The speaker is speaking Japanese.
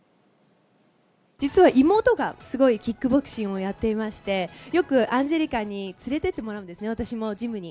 実は妹がすごいキックボクシングをやっていまして、よくアンジェリカに連れてってもらうんですね、私もジムに。